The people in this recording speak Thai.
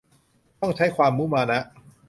ต้องใช้ความมุมานะ